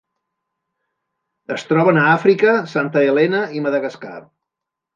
Es troben a Àfrica, Santa Helena i Madagascar.